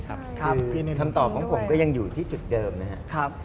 คือในคำตอบของผมก็ยังอยู่ที่จุดเดิมนะครับ